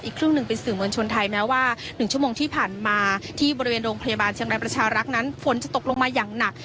ครึ่งหนึ่งเป็นสื่อมวลชนไทยแม้ว่า๑ชั่วโมงที่ผ่านมาที่บริเวณโรงพยาบาลเชียงรายประชารักษ์นั้นฝนจะตกลงมาอย่างหนัก